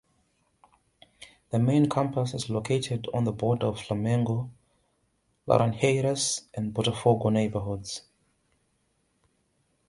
The main campus is located on the border of Flamengo, Laranjeiras, and Botafogo neighborhoods.